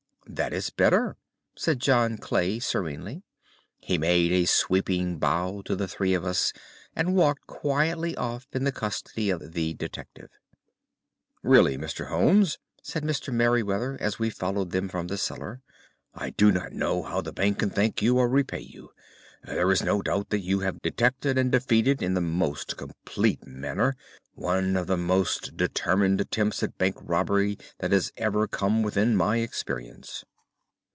"That is better," said John Clay serenely. He made a sweeping bow to the three of us and walked quietly off in the custody of the detective. "Really, Mr. Holmes," said Mr. Merryweather as we followed them from the cellar, "I do not know how the bank can thank you or repay you. There is no doubt that you have detected and defeated in the most complete manner one of the most determined attempts at bank robbery that have ever come within my experience."